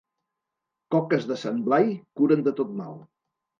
Coques de Sant Blai curen de tot mal.